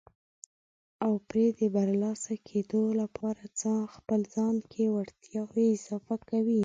او پرې د برلاسه کېدو لپاره خپل ځان کې وړتیاوې اضافه کوي.